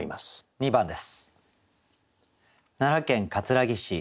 ２番です。